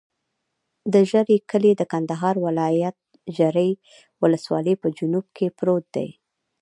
د ژرۍ کلی د کندهار ولایت، ژرۍ ولسوالي په جنوب کې پروت دی.